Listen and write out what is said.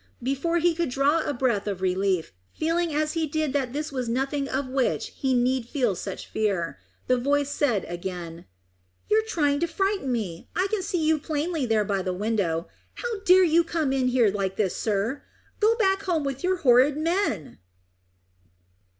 Before he could draw a breath of relief, feeling as he did that this was nothing of which he need feel such fear, the voice said again, "You are trying to frighten me. I can see you plainly there by the window. How dare you come in here like this, sir? Go back home with your horrid men."